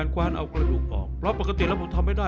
คว้านเอากระดูกออกรอบปกติเราทำไม่ได้